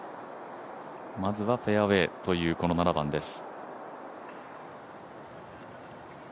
まずはフェアウエーというこの７番です。